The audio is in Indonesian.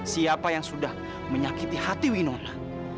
siapa yang sudah menyakiti hati winola